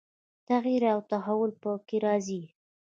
تغییر او تحول به په کې راځي.